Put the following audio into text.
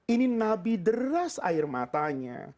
ini nabi deras air matanya